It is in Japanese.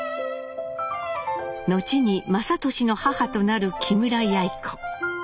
後に雅俊の母となる木村やい子。